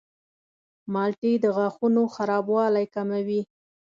مالټې د غاښونو خرابوالی کموي.